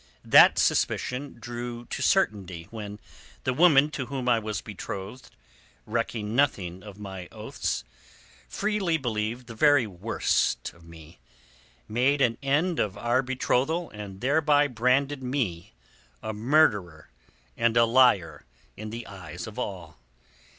That suspicion drew to certainty when the woman to whom I was betrothed, recking nothing of my oaths, freely believing the very worst of me, made an end of our betrothal and thereby branded me a murderer and a liar in the eyes of all.